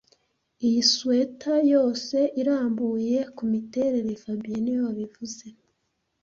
Iyi swater yose irambuye kumiterere fabien niwe wabivuze